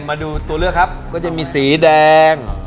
มาดูตัวเลือกครับก็จะมีสีแดง